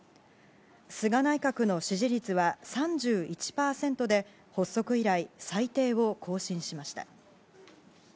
菅内閣の支持率は３１％で、発足以来最低を更新しました。